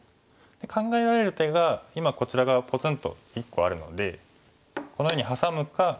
考えられる手が今こちら側ぽつんと１個あるのでこのようにハサむか